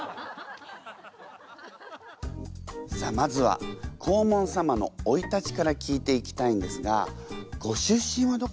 さあまずは黄門様のおいたちから聞いていきたいんですがご出身はどこなんですか？